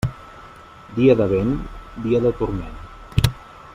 Dia de vent, dia de turment.